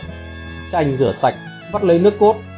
cắt chanh rửa sạch vắt lấy nước cốt